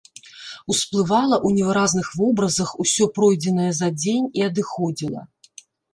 Усплывала ў невыразных вобразах усё пройдзенае за дзень і адыходзіла.